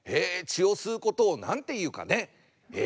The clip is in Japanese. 血を吸うことを何て言うかね？